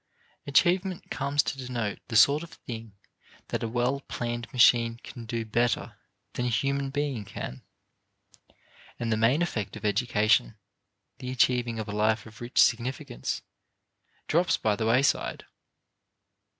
Achievement comes to denote the sort of thing that a well planned machine can do better than a human being can, and the main effect of education, the achieving of a life of rich significance, drops by the wayside.